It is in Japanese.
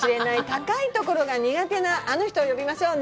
高いところが苦手なあの人を呼びましょう。